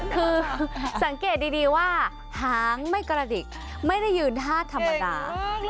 คือสังเกตดีว่าหางไม่กระดิกไม่ได้ยืนท่าธรรมดา